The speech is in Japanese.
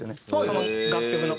その楽曲の。